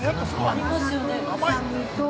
ありますよね。